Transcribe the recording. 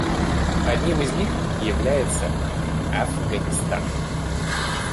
Одним из них является Афганистан.